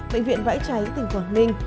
bệnh viện vãi cháy tỉnh quảng ninh